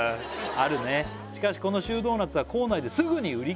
あるね「しかしこのシュードーナツは校内ですぐに売り切れに」